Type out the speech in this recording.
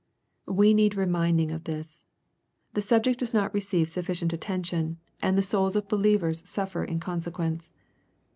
We need reminding of this. The subject does not receive sufficient attention, and the souls of believers suffer in consequence.